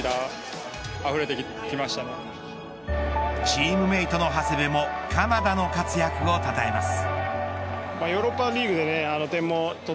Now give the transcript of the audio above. チームメートの長谷部も鎌田の活躍をたたえます。